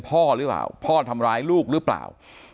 พ่อหรือเปล่าพ่อทำร้ายลูกหรือเปล่า